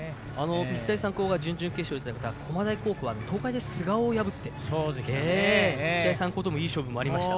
日大三高が準々決勝で戦った駒大高校は東海大菅生を破って日大三高ともいい勝負もありました。